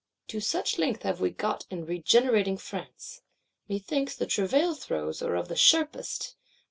To such length have we got in regenerating France. Methinks the travail throes are of the sharpest!